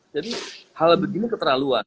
jadi hal begini keterlaluan